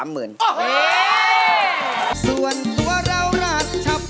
เย้ยยยยยยยยยกูธหน้าร้อง